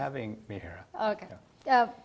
terima kasih telah mengunjungi saya hira